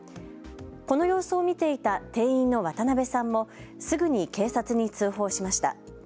この様子を見ていた店員の渡邉さんもすぐに警察に通報しました。